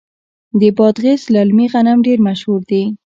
د بادغیس للمي غنم ډیر مشهور دي.